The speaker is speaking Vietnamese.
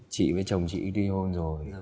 chị với chồng chị đi hôn rồi